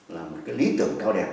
là một cái lý tưởng cao đẹp